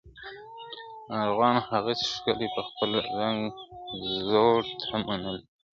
ارغوان هغسي ښکلی په خپل رنګ زړو ته منلی ..